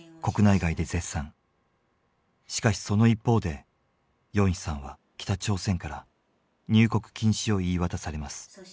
しかしその一方でヨンヒさんは北朝鮮から入国禁止を言い渡されます。